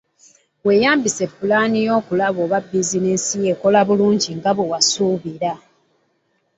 Weeyambise pulaani yo okulaba oba bizinensi yo ekola bulungi nga bwe wasuubira.